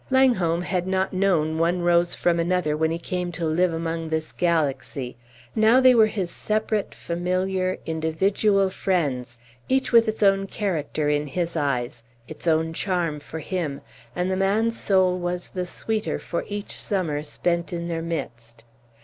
Langholm had not known one rose from another when he came to live among this galaxy; now they were his separate, familiar, individual friends, each with its own character in his eyes, its own charm for him; and the man's soul was the sweeter for each summer spent in their midst.